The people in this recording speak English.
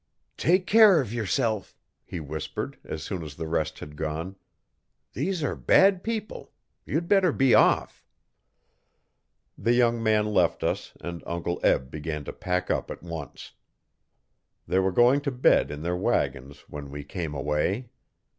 'Take care of yourself,' he whispered, as soon as the rest had gone. 'These are bad people. You'd better be off.' The young man left us and Uncle Eb began to pack up at once. They were going to bed in their wagons when we came away.